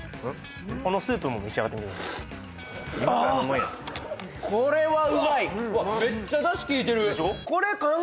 このスープも召し上がってみてくださいああこれはうまい！